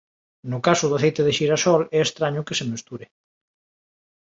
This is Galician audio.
No caso do aceite de xirasol é estraño que se mesture.